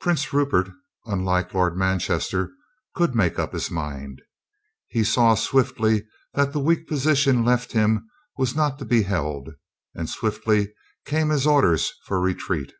Prince Rupert, unlike my Lord Manchester, could make up his mind. He saw swiftly that the weak position left him was not to be held, and swiftly came his orders for retreat.